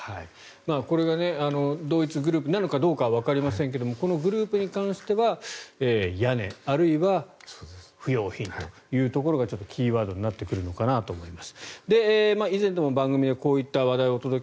これが同一グループなのかわかりませんがこのグループに関しては屋根、あるいは不用品というところがちょっとキーワードになってくるのかなと思います。